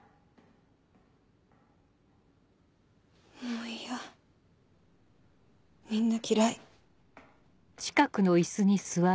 もうイヤみんな嫌い。